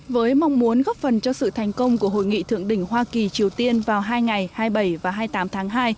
với mong muốn góp phần cho sự thành công của hội nghị thượng đỉnh hoa kỳ triều tiên vào hai ngày hai mươi bảy và hai mươi tám tháng hai